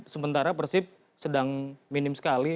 sementara persib sedang minim sekali